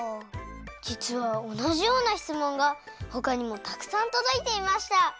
じつはおなじようなしつもんがほかにもたくさんとどいていました。